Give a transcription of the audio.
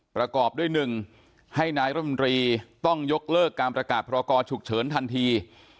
ประกอบด้วย๑ให้นายรมตรีต้องยกเลิกการประกาศพรกรฉุกเฉินทันที